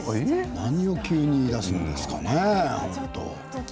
何を急に言いだすんですかね。